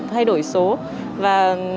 thay đổi số và